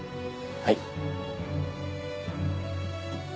はい。